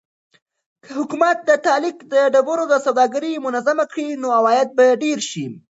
که حکومت د تالک د ډبرو سوداګري منظمه کړي نو عواید به ډېر شي.